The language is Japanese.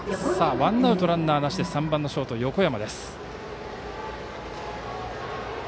ワンアウトランナーなしでバッターは３番ショート、横山。